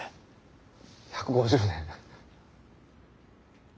１５０年。